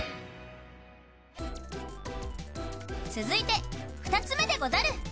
続いて２つめでござる。